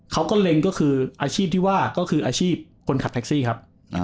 เขาก็เร็งอาชีพที่ว่าอาชีพคนขับแท็กซี่ครับ